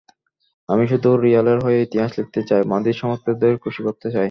আমি শুধু রিয়ালের হয়ে ইতিহাস লিখতে চাই, মাদ্রিদ সমর্থকদের খুশি করতে চাই।